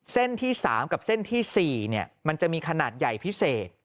เส้นที่๓กับเส้นที่๔มันจะมีขนาดใหญ่พิเศษ